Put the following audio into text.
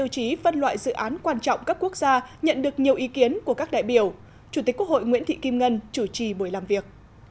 chủ tịch quốc hội nguyễn thị kim ngân chủ trì buổi làm việc